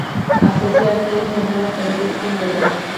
اساسي اړتیاوو ته نه لاسرسی ستونزه ده.